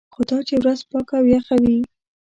خو دا چې ورځ پاکه او یخه وي.